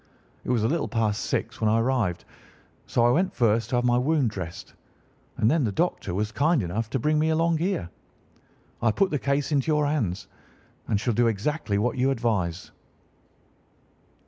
It was a little past six when I arrived, so I went first to have my wound dressed, and then the doctor was kind enough to bring me along here. I put the case into your hands and shall do exactly what you advise."